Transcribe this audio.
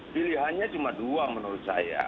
pilihannya cuma dua menurut saya